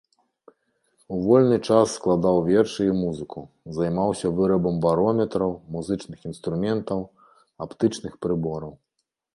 У вольны час складаў вершы і музыку, займаўся вырабам барометраў, музычных інструментаў, аптычных прыбораў.